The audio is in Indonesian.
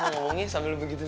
ngomongnya sambil begitu